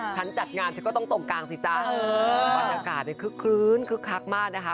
ชั้นจัดงานจะก็ต้องตรงกลางสิจ๊ะเอออร่อยอากาศได้คลึ้นคลึกคลักมากนะคะ